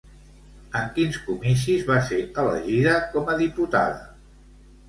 En quins comicis va ser elegida com a diputada?